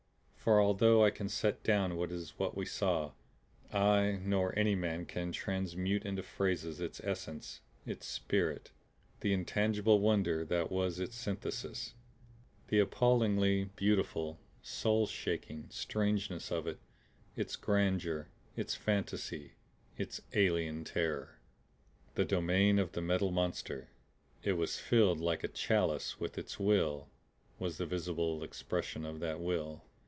For although I can set down what it was we saw, I nor any man can transmute into phrases its essence, its spirit, the intangible wonder that was its synthesis the appallingly beautiful, soul shaking strangeness of it, its grandeur, its fantasy, and its alien terror. The Domain of the Metal Monster it was filled like a chalice with Its will; was the visible expression of that will.